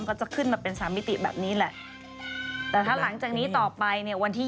ก็จะขึ้นมาเป็นสามมิติแบบนี้แหละแต่ถ้าหลังจากนี้ต่อไปเนี่ยวันที่